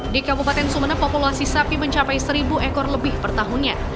di kabupaten sumeneb populasi sapi mencapai seribu ekor lebih per tahunnya